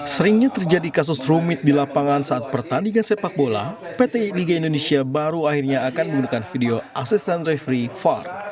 seringnya terjadi kasus rumit di lapangan saat pertandingan sepak bola pt liga indonesia baru akhirnya akan menggunakan video asisten referee var